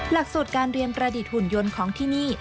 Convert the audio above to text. หลักสูตรการเรียนประดิษฐ์หุ่นยนต์ของที่นี่